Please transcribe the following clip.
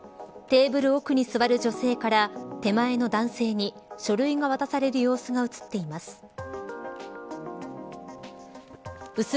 テーブル奥に座る女性から手前の男性に書類が渡される様子が映っています。